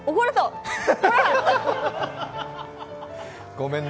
ごめんね。